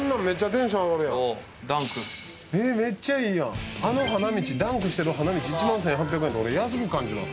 めっちゃいいやん、あのダンクしてる花道１万１８００円って安く感じます。